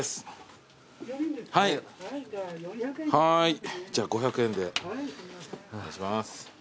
はいじゃあ５００円でお願いします。